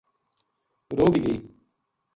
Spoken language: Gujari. رو بھی گئی